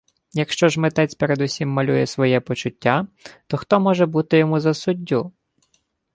Якщо ж митець передусім малює своє почуття, то хто може бути йому за суддю?